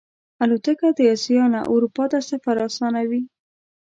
الوتکه د آسیا نه اروپا ته سفر آسانوي.